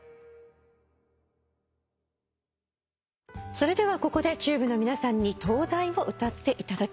それではここでＴＵＢＥの皆さんに『灯台』を歌っていただきます。